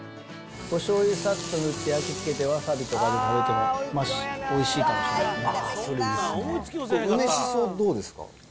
しょうゆさっと塗って焼き付けてわさびとかで食べてもおいしいかもしれないですね。